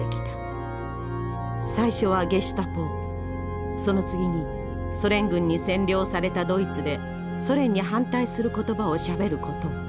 最初はゲシュタポをその次にソ連軍に占領されたドイツでソ連に反対する言葉をしゃべる事を。